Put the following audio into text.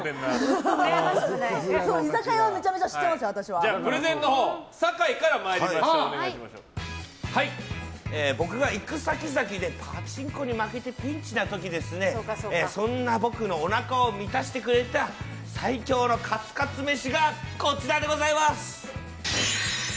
居酒屋はめちゃめちゃプレゼンのほう僕が行く先々でパチンコに負けてピンチな時、そんな僕のおなかを満たしてくれた最強のカツカツ飯がこちらでございます！